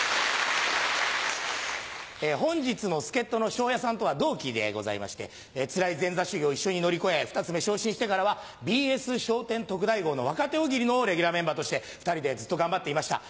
本日の助っ人の昇也さんとは同期でございましてつらい前座修業を一緒に乗り越え二つ目昇進してからはＢＳ『笑点特大号』の若手大喜利のレギュラーメンバーとして２人でずっと頑張っていました。